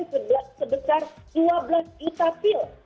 itu menemukan pcc sebesar dua belas juta pil